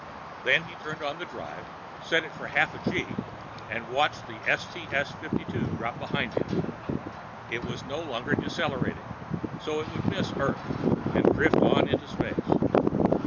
Then he turned on the drive, set it at half a gee, and watched the STS 52 drop behind him. It was no longer decelerating, so it would miss Earth and drift on into space.